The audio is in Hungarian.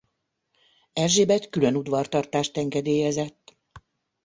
Erzsébet külön udvartartást engedélyezett.